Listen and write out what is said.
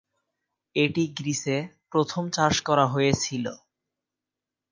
এটি গ্রিসে প্রথম চাষ করা হয়েছিল।